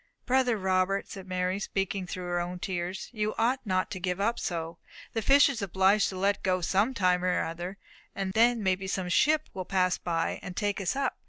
"Brother Robert," said Mary, speaking through her own tears, "you ought not to give up so. The fish is obliged to let go some time or other, and then may be some ship will pass by, and take us up.